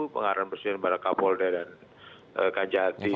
pengarah presiden barakapolda dan kajati